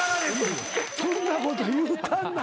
そんなこと言うたんな。